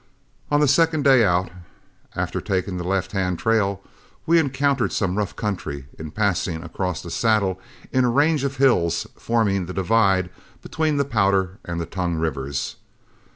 On the second day out, after taking the left hand trail, we encountered some rough country in passing across a saddle in a range of hills forming the divide between the Powder and Tongue rivers.